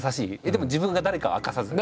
でも自分が誰かは明かさずに？